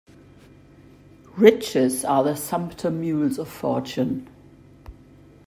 Riches are the sumpter mules of fortune.